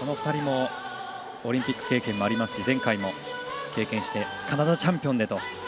この２人もオリンピック経験もありますし前回も経験してカナダチャンピオンと。